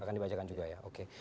akan dibacakan juga ya oke